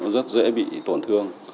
rất dễ bị tổn thương